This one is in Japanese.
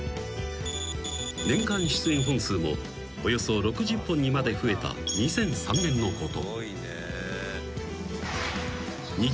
［年間出演本数もおよそ６０本にまで増えた２００３年のこと］